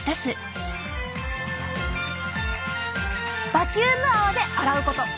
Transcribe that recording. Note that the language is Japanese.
「バキューム泡で洗うこと！」。